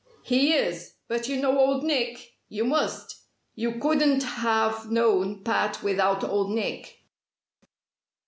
"He is. But you know Old Nick? You must! You couldn't have known Pat without Old Nick."